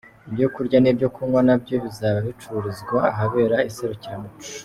Ibyo kurya n’ibyo kunywa nabyo bizaba bicururizwa ahabera iserukiramuco.